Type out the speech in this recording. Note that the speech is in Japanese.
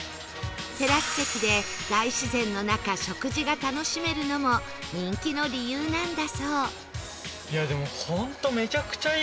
テラス席で大自然の中食事が楽しめるのも人気の理由なんだそう